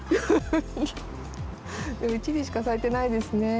でも一輪しか咲いてないですね。